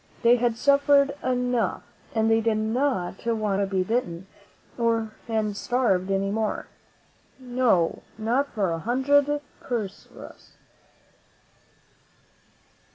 They had suffered enough, and they did not want to be bitten and starved any more — no, not for a hundred Perus.